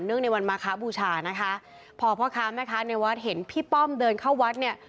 ในวันมาคะบูชานะคะพอพ่อค้าแม่ค้าในวัดเห็นพี่ป้อมเดินเข้าวัดเนี่ย